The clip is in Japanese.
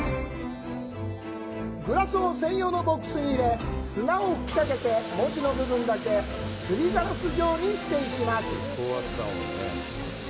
グラスを専用のボックスに入れ砂を吹きかけて文字の部分だけ磨りガラス状にしていきます。